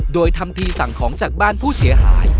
โดยทำทีสั่งของจากบ้านผู้เสียหาย